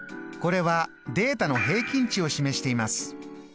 これはデータの平均値を示しています。